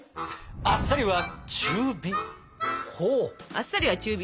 「あっさりは中火」。